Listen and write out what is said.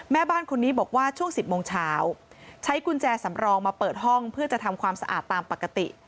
แม่บ้านคนนี้บอกว่าช่วง๑๐โมงเช้าใช้กุญแจสำรองมาเปิดห้องเพื่อจะทำความสะอาดตามปกติ